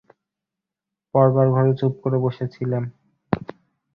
পড়বার ঘরে চুপ করে ছিলেম বসে।